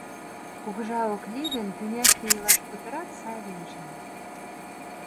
Кугыжа ок лий гын, тӱняште илаш путырак сай лиеш ыле.